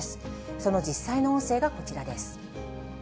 その実際の音声がこちらです。